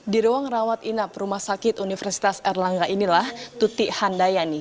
di ruang rawat inap rumah sakit universitas erlangga inilah tutik handayani